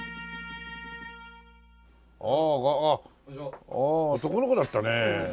あああっ男の子だったね。